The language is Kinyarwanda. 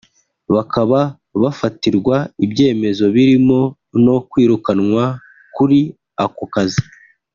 bakaba bafatirwa ibyemezo birimo no kwirukanwa kuri ako kazi